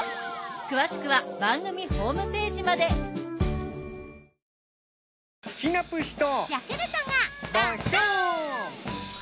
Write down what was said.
詳しくは番組ホームページまでバイバーイ。